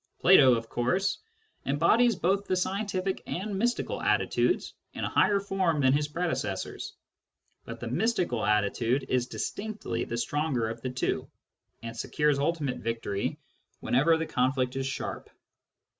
Plato, of course, embodies both the scientific and the mystical attitudes in a higher form than his predecessors, but the mystical attitude is dis tinctly the stronger of the two, and secures ultimate victory whenever the conflict is sharp.